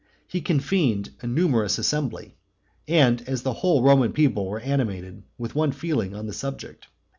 He convened a numerous assembly, as the whole Roman people were animated with one feeling on the subject.